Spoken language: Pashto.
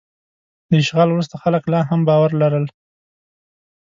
د اشغال وروسته خلک لا هم باور لرل.